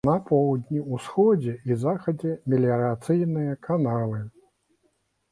На поўдні, усходзе і захадзе меліярацыйныя каналы.